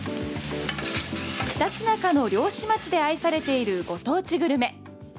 ひたちなかの漁師町で愛されているご当地グルメ！